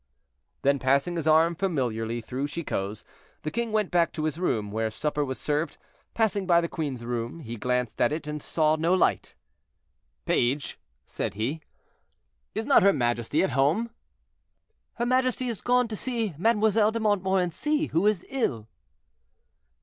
Then, passing his arm familiarly through Chicot's, the king went back to his room, where supper was served. Passing by the queen's room, he glanced at it, and saw no light. "Page," said he, "is not her majesty at home?" "Her majesty is gone to see Mademoiselle de Montmorency, who is ill."